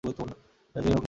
সে যেই হোক না কেন!